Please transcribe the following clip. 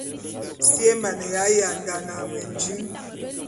Si é mane yandane a mendim.